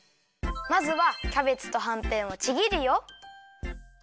まずはキャベツとはんぺんをちぎるよ。